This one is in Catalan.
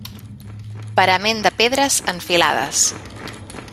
Parament de pedres en filades.